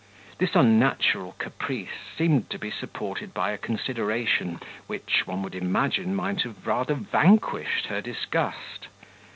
This unnatural caprice seemed to be supported by a consideration which, one would imagine, might have rather vanquished her disgust.